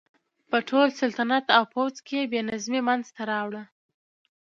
په ټول سلطنت او پوځ کې یې بې نظمي منځته راوړه.